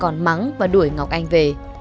trường xuân đước và đuổi ngọc anh về